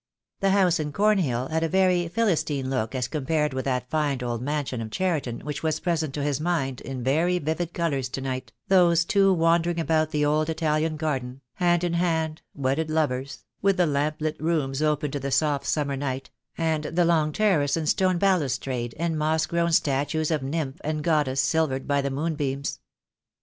The house in Cornhill had a very Philistine look as com pared with that fine old mansion of Cheriton which was present to his mind in very vivid colours to night, those two wandering about the old Italian garden, hand in hand, wedded lovers, with the lamplit rooms open to the soft summer night, and the long terrace and stone balus trade and moss grown statues of nymph and goddess silvered by the moonbeams.